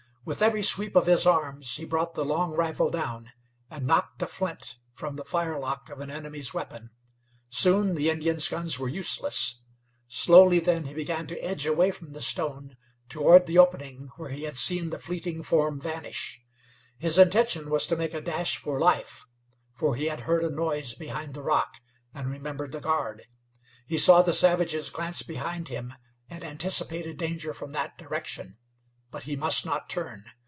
With every sweep of his arms he brought the long rifle down and knocked a flint from the firelock of an enemy's weapon. Soon the Indians' guns were useless. Slowly then he began to edge away from the stone, toward the opening where he had seen the fleeting form vanish. His intention was to make a dash for life, for he had heard a noise behind the rock, and remembered the guard. He saw the savages glance behind him, and anticipated danger from that direction, but he must not turn.